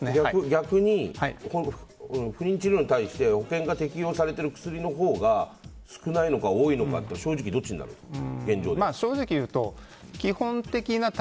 逆に、不妊治療に対して保険が適用されてる薬のほうが少ないのか多いのかっていうのは正直、どっちになるんですか？